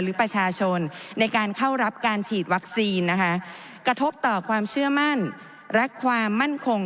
หรือประชาชนในการเข้ารับการฉีดวัคซีนนะคะกระทบต่อความเชื่อมั่นและความมั่นคง